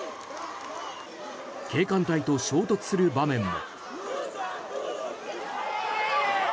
警官隊と衝突する場面も。